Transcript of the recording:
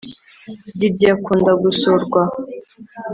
Didier akunda gusurwa